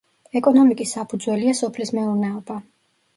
ეკონომიკის საფუძველია სოფლის მეურნეობა.